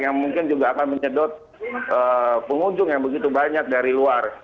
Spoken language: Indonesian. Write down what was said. yang mungkin juga akan menyedot pengunjung yang begitu banyak dari luar